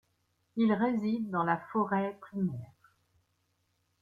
Il réside dans la forêt primaire.